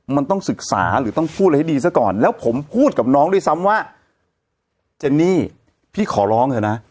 มันต้องศึกษาหรือต้องพูดอะไรให้ดีซะก่อนแล้วผมพูดกับน้องด้วยซ้ำว่าเจนนี่พี่ขอร้องเถอะนะ